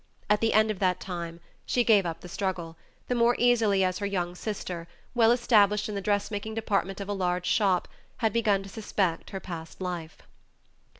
At the end of that time, she gave up the struggle, the more easily as her young sister, well established in the dressmaking department of a large shop, had begun to suspect her past life.